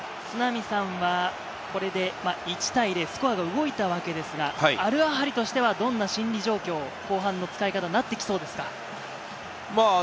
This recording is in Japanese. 都並さん、これで１対０、スコアが動いたわけですが、アルアハリとしてはどんな心理状況、後半の使い方になってきそうですか？